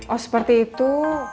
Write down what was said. oh seperti itu